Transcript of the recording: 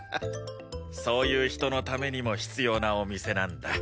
そういう人のためにも必要なお店なんだ。